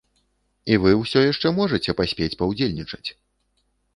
І вы ўсё яшчэ можаце паспець паўдзельнічаць!